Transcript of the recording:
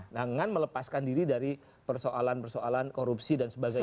dengan melepaskan diri dari persoalan persoalan korupsi dan sebagainya